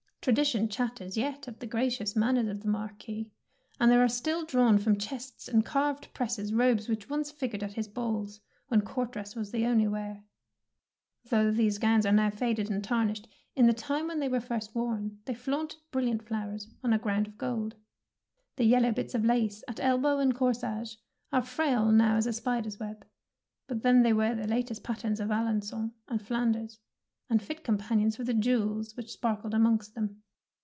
Tradition chatters yet of the gra cious manners of the Marquis, and there are still drawn from chests and carved presses robes which once fig ured at his balls, when court dress was the only wear. Though these gowns are now faded and tarnished, in the time when they were first worn they flaunted brilliant flowers on a ground of gold. The yellow bits of lace at elbow and corsage are frail now as a spider's web, but then they were the latest patterns from Alengon and Flan ders, and fit companions for the jewels which sparkled amongst them.